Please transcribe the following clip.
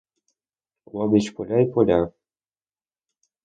Обабіч поля й поля.